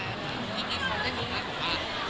พี่กิ๊กเขาได้รู้ไหมว่า